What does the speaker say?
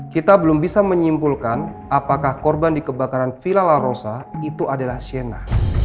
kita belum bisa menyimpulkan apakah korban di kebakaran villa arosa itu adalah shena